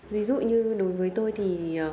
ví dụ như đối với tôi thì